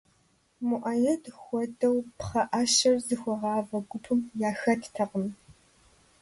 Муаед хуэдэу пхъэӀэщэр зыхуэгъавэ гупым яхэттэкъым.